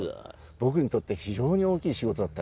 僕にとって非常に大きい仕事だったんですね。